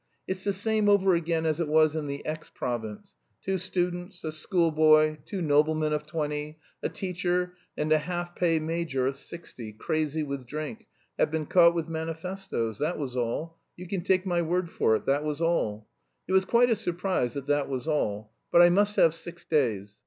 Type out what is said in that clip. It's the same over again as it was in the X province: two students, a schoolboy, two noblemen of twenty, a teacher, and a half pay major of sixty, crazy with drink, have been caught with manifestoes; that was all you can take my word for it, that was all; it was quite a surprise that that was all. But I must have six days.